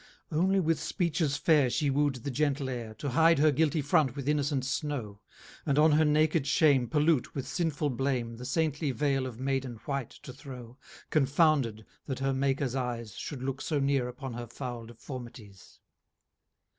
II Only with speeches fair She woo'd the gentle Air To hide her guilty front with innocent Snow, And on her naked shame, 40 Pollute with sinfull blame, The Saintly Vail of Maiden white to throw, Confounded, that her Makers eyes Should look so near upon her foul deformities.